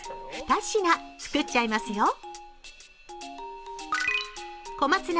２品作っちゃいますよ。